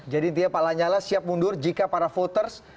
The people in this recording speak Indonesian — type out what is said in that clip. jadi dia pak lanyala siap mundur jika para voters